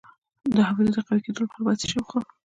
د حافظې د قوي کیدو لپاره باید څه شی وخورم؟